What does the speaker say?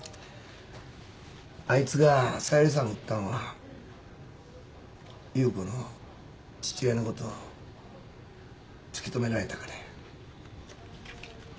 あいつが小百合さん撃ったんは優子の父親のこと突き止められたからや。